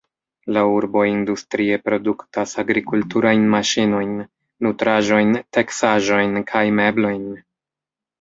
La urbo industrie produktas agrikulturajn maŝinojn, nutraĵojn, teksaĵojn kaj meblojn.